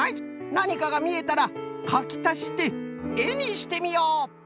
なにかがみえたらかきたしてえにしてみよう。